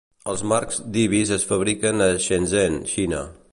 Els marcs d"ibis es fabriquen a Shenzhen, Xina.